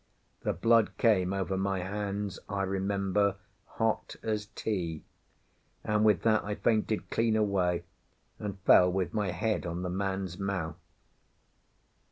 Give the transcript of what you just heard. The blood came over my hands, I remember, hot as tea; and with that I fainted clean away, and fell with my head on the man's mouth.